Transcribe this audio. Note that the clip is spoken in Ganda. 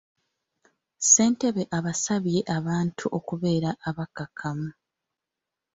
Ssentebe abasabye abantu okubeera abakkakkamu.